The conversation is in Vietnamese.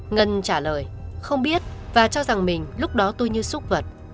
ngân trả lời không biết và cho rằng mình lúc đó tôi như xúc vật